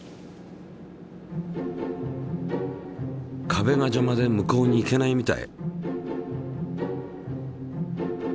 壁がじゃまで向こうに行けないみたい。